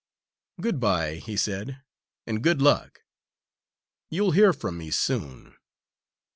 "Good bye," he said, "and good luck. You'll hear from me soon.